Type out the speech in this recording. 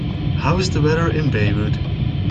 how's the weather in Baywood